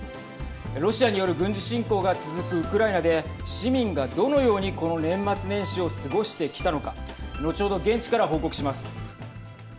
ロシアによる軍事侵攻が続くウクライナで市民が、どのようにこの年末年始を過ごしてきたのか後程、現地から報告します。